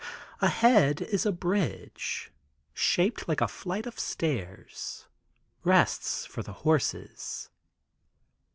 Ahead is a bridge, shaped like a flight of stairs (rests for the horses).